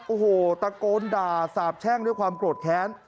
โอ้โหตะโกนด่าสาบแช่งด้วยความโกรธแค้น